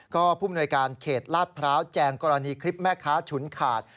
ก็ผู้มนวยการเขตลาดพร้าวแจงกรณีคลิปแม่ค้าฉุนขาด